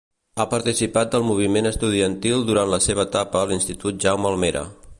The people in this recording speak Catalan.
Ha participat del moviment estudiantil durant la seva etapa a l'Institut Jaume Almera.